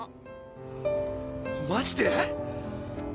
マジで！？